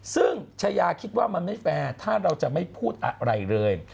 ซึ่งชายาคิดว่ามันไม่แฟร์ถ้าเราจะไม่พูดอะไรเลย